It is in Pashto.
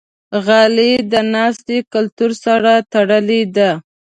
غالۍ د ناستې کلتور سره تړلې ده.